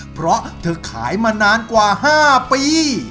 เพราะเธอขายมานานกว่า๕ปี